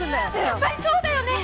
やっぱりそうだよね？